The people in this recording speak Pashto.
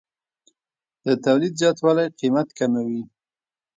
د تولید زیاتوالی قیمت کموي.